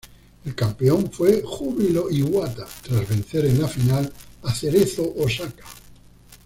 El campeón fue Júbilo Iwata, tras vencer en la final a Cerezo Osaka.